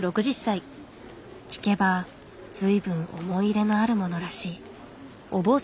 聞けば随分思い入れのあるものらしい。